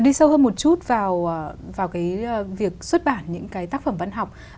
đi sâu hơn một chút vào cái việc xuất bản những cái tác phẩm văn học